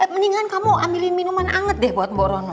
eh mendingan kamu ambilin minuman anget deh buat mbak rono